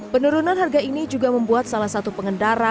penurunan harga ini juga membuat salah satu pengendara